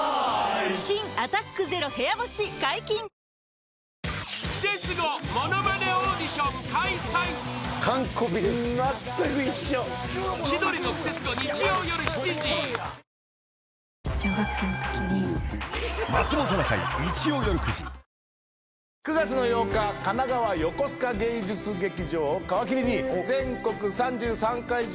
新「アタックＺＥＲＯ部屋干し」解禁‼９月の８日神奈川よこすか芸術劇場を皮切りに全国３３会場